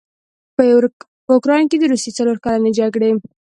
په اوکراین کې د روسیې څلورکلنې جګړې